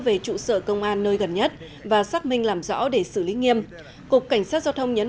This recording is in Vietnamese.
về trụ sở công an nơi gần nhất và xác minh làm rõ để xử lý nghiêm cục cảnh sát giao thông nhấn